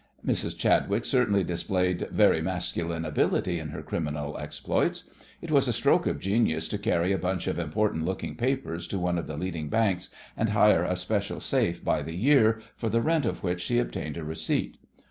Mrs. Chadwick certainly displayed a very masculine ability in her criminal exploits. It was a stroke of genius to carry a bunch of important looking papers to one of the leading banks, and hire a special safe by the year, for the rent of which she obtained a receipt.